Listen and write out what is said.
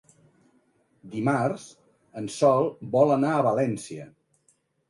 Dimarts en Sol vol anar a València.